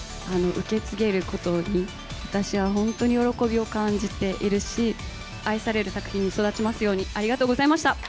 受け継げることに、私は本当に喜びを感じているし、愛される作品に育ちますように、ありがとうございました。